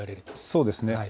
そうですね。